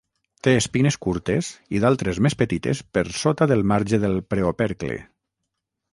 Té espines curtes i d'altres més petites per sota del marge del preopercle.